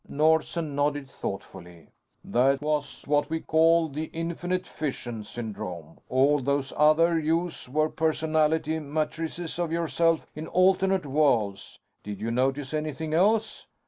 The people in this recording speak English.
Nordsen nodded, thoughtfully. "That was what we call the 'Infinite Fission' syndrome. All those other 'you's' were personality matrices of yourself in alternate worlds. Did you notice anything else?"